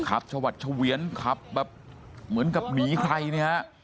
ชวัดเฉวียนขับแบบเหมือนกับหนีใครเนี่ยฮะ